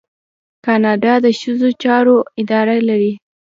کاناډا د ښځو چارو اداره لري.